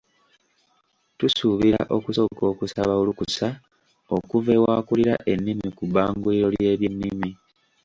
Tusuubira okusooka okusaba olukusa okuva ew'akulira ennimi ku bbanguliro ly'ebyennimi.